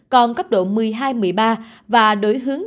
còn cấp độ một mươi hai một mươi ba và đổi hướng